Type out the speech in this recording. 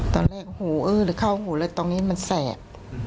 ตอนแรกหูอื้อเข้าหูเลยตรงนี้มันแสบ